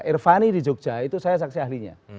irvani di jogja itu saya saksi ahlinya